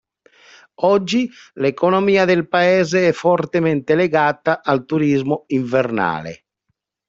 Oggi, l'economia del paese è fortemente legata al turismo invernale.